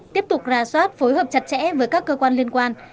tiếp tục ra soát phối hợp chặt chẽ với các cơ quan liên quan